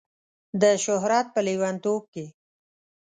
د شهرت په لیونتوب کې